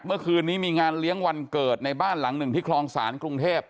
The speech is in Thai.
เมื่อคืนนี้มีงานเลี้ยงวันเกิดในบ้านหลังหนึ่งที่คลองศาลกรุงเทพ